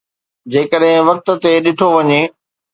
جيڪڏهن وقت تي ڏٺو وڃي